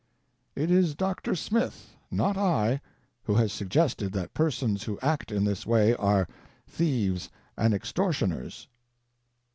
It is Dr. Smith, not I, who has suggested that persons who act in this way are "thieves and extortioners."